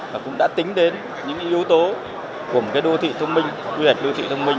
và cũng đã tính đến những yếu tố của một đô thị thông minh quy hoạch đô thị thông minh